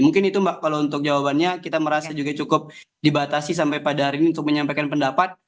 mungkin itu mbak kalau untuk jawabannya kita merasa juga cukup dibatasi sampai pada hari ini untuk menyampaikan pendapat